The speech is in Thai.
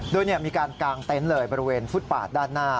โดยมีการกางเต็นต์เลยบริเวณฟุตปาดด้านหน้า